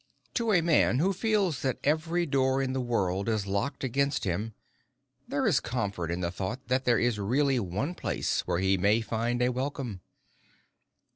To a man who feels that every door in the world is locked against him there is comfort in the thought that there is really one place where he may find a welcome.